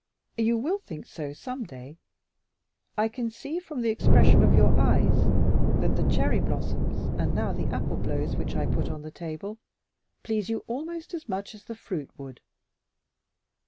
"You will think so some day. I can see, from the expression of your eyes, that the cherry blossoms and now the apple blows which I put on the table please you almost as much as the fruit would."